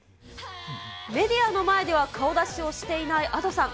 メディアの前では顔出しをしていないＡｄｏさん。